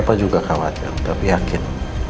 apa juga kawad yang udah biakin